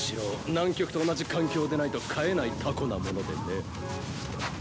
南極と同じ環境でないと飼えないタコなものでね。